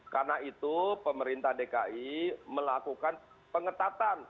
karena itu pemerintah dki melakukan pengetatan